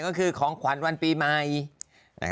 ก็คือของขวัญวันปีใหม่